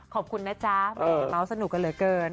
ขอบคุณนะจ้ะเค้ม้าวสนุกกันเหลือเกิน